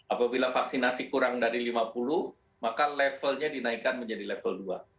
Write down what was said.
apabila vaksinasi kurang dari lima puluh maka levelnya dinaikkan menjadi level dua